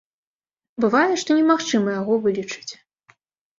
Бывае, што немагчыма яго вылічыць.